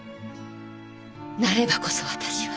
なればこそ私は。